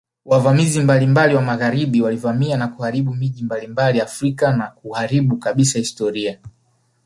Wavamizi mbalimbali wa magharibi walivamia na kuharibu miji mbalimbali Afrika na kuharibu kabisa historia